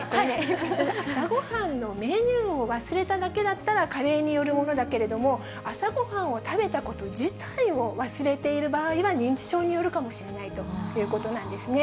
朝ごはんのメニューを忘れただけだったら加齢によるものだけれども、朝ごはんを食べたこと自体を忘れている場合は、認知症によるものかもしれないということなんですね。